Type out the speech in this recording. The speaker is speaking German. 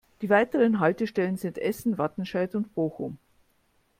Die weiteren Haltestellen sind Essen, Wattenscheid und Bochum.